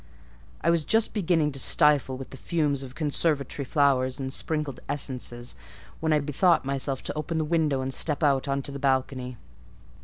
I was just beginning to stifle with the fumes of conservatory flowers and sprinkled essences, when I bethought myself to open the window and step out on to the balcony.